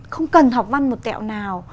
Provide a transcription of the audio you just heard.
không cần học văn một tẹo nào